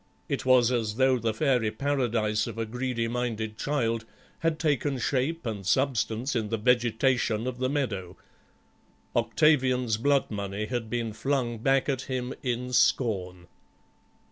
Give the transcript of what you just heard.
It was as though the fairy paradise of a greedyminded child had taken shape and substance in the vegetation of the meadow. Octavian's bloodmoney had been flung back at him in scorn.